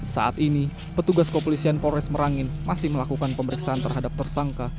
saat ini petugas kopolisian polres merangin masih melakukan pemeriksaan terhadap tersangka